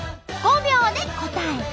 ５秒で答えて！